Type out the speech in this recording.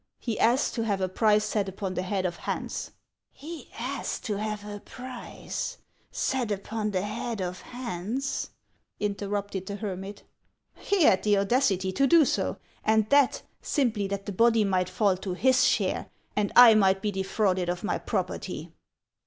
He asks to have a price set upon the head of Hans." " He asks to have a price set upon the head of Hans ?" interrupted the hermit. " He had the audacity to do so, and that, simply that the body might fall to his share, and I might be defrauded of my property."